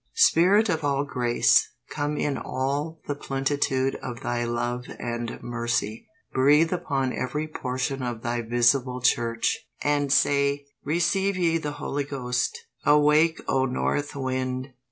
Spirit of all grace, come in all the plenitude of Thy love and mercy. Breathe upon every portion of Thy visible Church, and say, "Receive ye the Holy Ghost!" "Awake, O north wind!